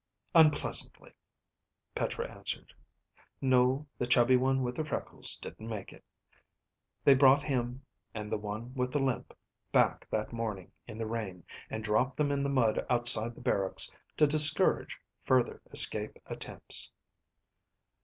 "Unpleasantly," Petra answered. "No, the chubby one with the freckles didn't make it. They brought him, and the one with the limp, back that morning in the rain and dropped them in the mud outside the barracks to discourage further escape attempts."